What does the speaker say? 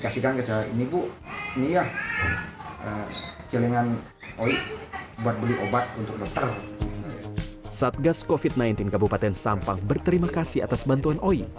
satgas covid sembilan belas kabupaten sampang berterima kasih atas bantuan oi